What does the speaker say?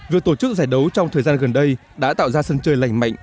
việc tổ chức giải đấu trong thời gian gần đây đã tạo ra sân chơi lành mạnh